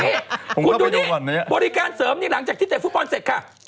นี่คุณดูดิบริการเสริมนี่หลังจากที่เตะฟุตบอลเสร็จค่ะ